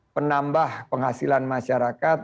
penambah penghasilan masyarakat